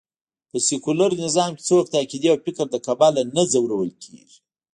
په سکیولر نظام کې څوک د عقېدې او فکر له کبله نه ځورول کېږي